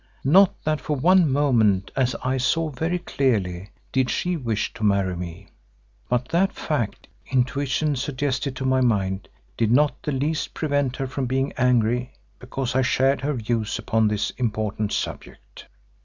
Not that for one moment, as I saw very clearly, did she wish to marry me. But that fact, intuition suggested to my mind, did not the least prevent her from being angry because I shared her views upon this important subject.